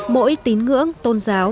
mỗi tín ngưỡng tôn giáo